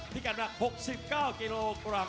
ที่กระดับ๖๙กิโลกรัม